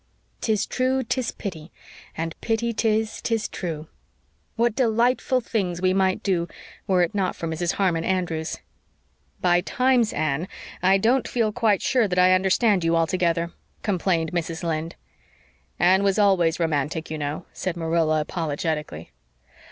''Tis true, 'tis pity, and pity 'tis, 'tis true.' What delightful things we might do were it not for Mrs. Harmon Andrews!" "By times, Anne, I don't feel quite sure that I understand you altogether," complained Mrs. Lynde. "Anne was always romantic, you know," said Marilla apologetically.